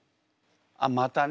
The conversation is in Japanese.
あっまたね。